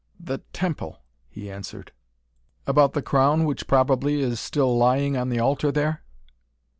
"The temple," he answered. "About the crown which probably is still lying on the altar there?"